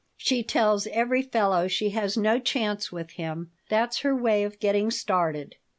"She tells every fellow she has no chance with him. That's her way of getting started.